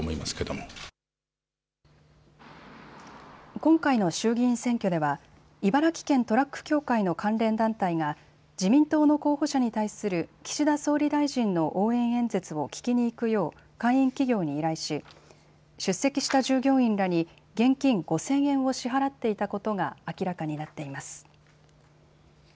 今回の衆議院選挙では茨城県トラック協会の関連団体が自民党の候補者に対する岸田総理大臣の応援演説を聴きに行くよう会員企業に依頼し出席した従業員らに現金５０００円を支払っていたことが明らかになっています。